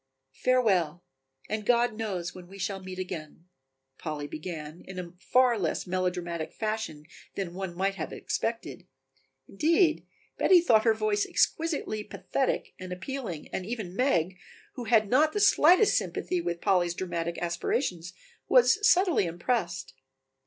"Farewell, and God knows when we shall meet again," Polly began in a far less melodramatic fashion than one might have expected; indeed, Betty thought her voice exquisitely pathetic and appealing and even Meg, who had not the slightest sympathy with Polly's dramatic aspirations, was subtly impressed.